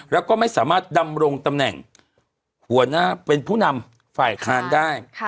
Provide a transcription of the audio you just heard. แล้วก็ไม่สามารถดำรงตำแหน่งหัวหน้าเป็นผู้นำฝ่ายค้านได้